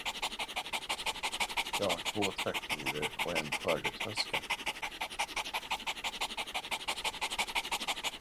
Jag har två traktorer och en skördetröska.